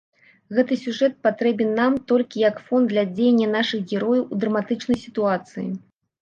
Гэты сюжэт патрэбен нам толькі як фон для дзеяння нашых герояў у драматычнай сітуацыі.